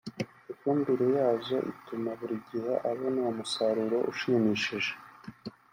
ifumbire yazo ituma buri gihe abona umusaruro ushimishije